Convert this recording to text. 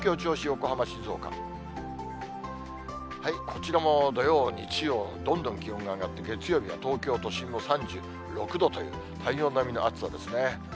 こちらも土曜、日曜、どんどん気温が上がって、月曜日、東京都心も３６度という、体温並みの暑さですね。